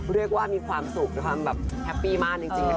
เรียกว่ามีความสุขเป็นความแฮปปี้มาน